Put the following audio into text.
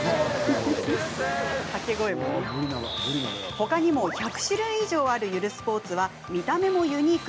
ほかにも１００種類以上あるゆるスポーツは見た目もユニーク。